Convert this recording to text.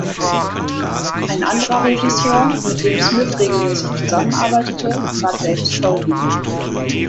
Ein anderer Regisseur, mit dem Smith regelmäßig zusammenarbeitete, war James Foley.